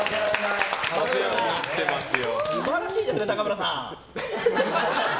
素晴らしいですね、高村さん。